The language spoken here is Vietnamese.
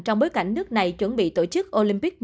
trong bối cảnh nước này chuẩn bị tổ chức olympic